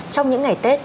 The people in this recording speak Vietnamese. trong những ngày tết